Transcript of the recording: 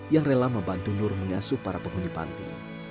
yang rela membantu nur mengasuh para penghuni panti